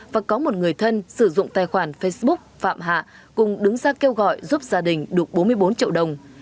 và có một người thân sử dụng tài khoản facebook phạm hạ cùng đứng ra kêu gọi giúp gia đình đục bốn mươi bốn triệu đồng